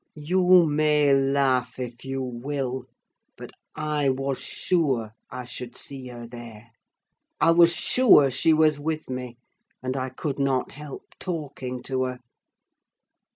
You may laugh, if you will; but I was sure I should see her there. I was sure she was with me, and I could not help talking to her.